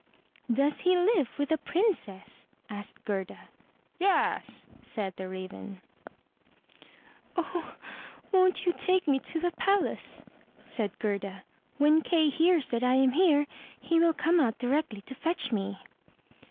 "Does he live with a princess?" asked Gerda. "Yes," said the Raven. "O, won't you take 313 MY BOOK HOUSE me to the palace?'' saidGerda. "When Kay hears that I am here, he will come out directly to fetch me."